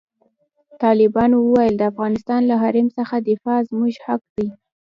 طالبانو وویل، د افغانستان له حریم څخه دفاع زموږ حق دی.